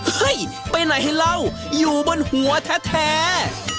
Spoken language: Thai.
เฮ้ยไปไหนเหล้าอยู่บนหัวแท้